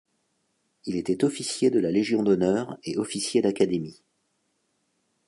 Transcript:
Il était officier de la Légion d'honneur et officier d'Académie.